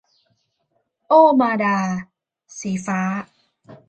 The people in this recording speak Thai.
โอ้มาดา - สีฟ้า